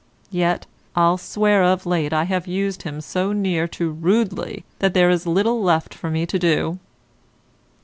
Yet I'll swear of late I have used him so near to rudely that there is little left for me to do.